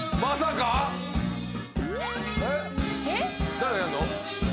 誰がやんの？